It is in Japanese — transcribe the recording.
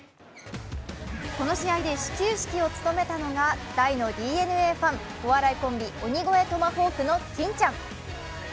この試合で始球式を務めたのが大のＤｅＮＡファン、お笑いコンビ・鬼越トマホークの金ちゃん。